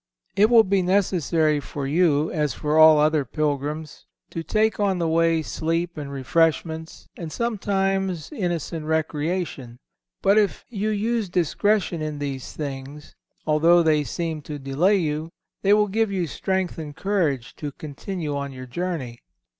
It will be necessary for you, as for all other pilgrims, to take, on the way, sleep and refreshments and sometimes innocent recreation; but if you use discretion in these things, although they seem to delay you, they will give you strength and courage to continue on your journey.